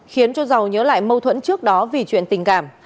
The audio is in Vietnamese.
khiến cho giàu nhớ lại mâu thuẫn trước đó vì chuyện tình cảm